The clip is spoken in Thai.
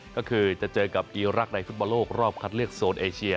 ก็คือจะเจอกับอีรักษ์ในฟุตบอลโลกรอบคัดเลือกโซนเอเชีย